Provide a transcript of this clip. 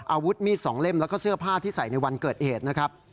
อาวุธมีด๒เล่มแล้วก็เสื้อผ้าที่ใส่ในวันเกิดเหตุนะครับ